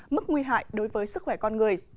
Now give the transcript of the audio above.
mức nguy hại đối với sức khỏe con người